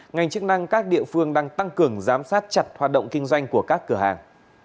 ngành chức năng các địa phương đang tăng cường giám sát chặt hoạt động kinh doanh của các cửa hàng